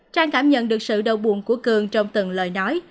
trang cảm nhận được sự đau buồn của cường trong từng lời nói